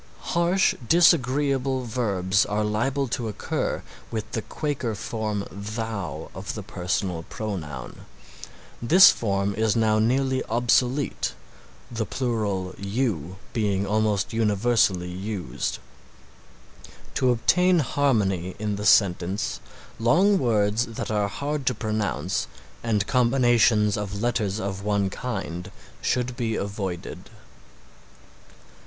Harsh, disagreeable verbs are liable to occur with the Quaker form Thou of the personal pronoun. This form is now nearly obsolete, the plural you being almost universally used. To obtain harmony in the sentence long words that are hard to pronounce and combinations of letters of one kind should be avoided.